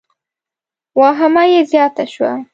واهمه یې زیاته شوه.